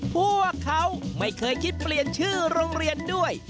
พวกเขาไม่เคยคิดเปลี่ยนชื่อโรงเรียนด้วย